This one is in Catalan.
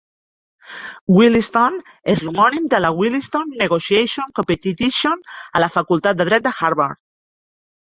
Williston és l'homònim de la Williston Negotiation Competition a la Facultat de Dret de Harvard.